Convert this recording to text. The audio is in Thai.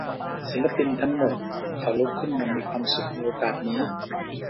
ศิลปินทั้งหมดเขาลุกขึ้นอย่างมีความสุขในโอกาสนี้